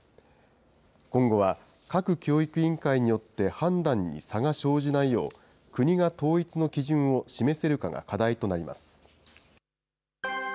今後は各教育委員会によって判断に差が生じないよう、国が統一の基準を示せるかが課題となります。